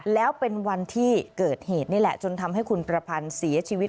แล้วเป็นวันที่เกิดเหตุนี่แหละจนทำให้คุณประพันธ์เสียชีวิต